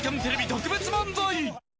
特別漫才。